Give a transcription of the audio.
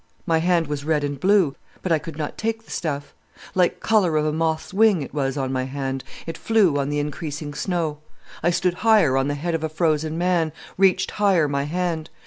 My hand was red and blue, but I could not take the stuff. Like colour of a moth's wing it was on my hand, it flew on the increasing snow. I stood higher on the head of a frozen man, reached higher my hand.